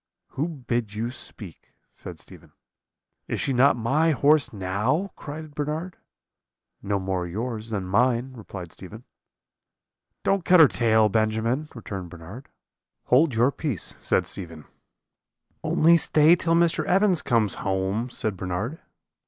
"'Who bid you speak?' said Stephen. "'Is she not my horse now?' cried Bernard. "'No more yours than mine,' replied Stephen. "'Don't cut her tail, Benjamin,' returned Bernard. "'Hold your peace,' said Stephen. "'Only stay till Mr. Evans comes home,' said Bernard.